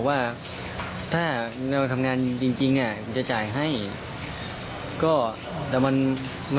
มันเถียงกันเสร็จแล้วนึกว่าจะยากย้ายกันไป